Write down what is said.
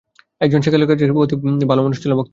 একজন সেকেলেগোছের অতি ভালোমানুষ ছিল বক্তা।